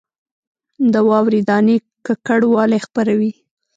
د واورې دانې ککړوالی خپروي